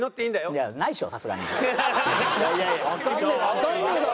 わかんねえだろ！